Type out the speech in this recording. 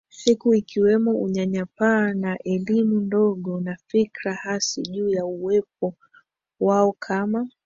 siku ikiwemo unyanyapaa na elimu ndogo na fikra hasi juu ya uwepo wao kama